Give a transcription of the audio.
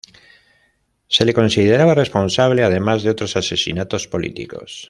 Se le consideraba responsable además de otros asesinatos políticos.